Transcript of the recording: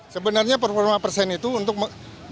sebenarnya perform percent itu untuk membangun